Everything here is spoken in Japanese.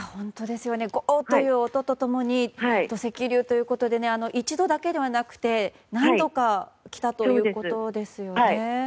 ゴーという音と共に土石流ということで一度だけではなくて何度かきたということですよね。